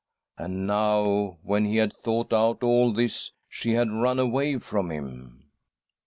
And now, when he had thought out all this, she had run away from him